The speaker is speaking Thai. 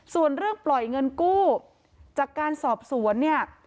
ส่วนเรื่องปล่อยเงินกู้จากการสอบสวนเนี่ย